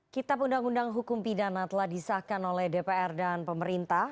kitab undang undang hukum pidana telah disahkan oleh dpr dan pemerintah